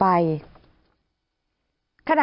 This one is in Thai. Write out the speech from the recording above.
ไปเยี่ยมผู้แทนพระองค์